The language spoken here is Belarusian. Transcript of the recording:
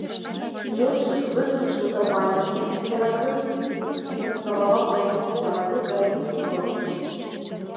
Лётчык выключыў запальванне, перакрыў бензін і паспрабаваў давесці самалёт да лініі фронту.